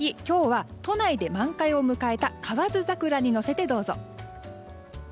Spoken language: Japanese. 今日は都内で満開を迎えた河津桜に乗せて、どうぞ。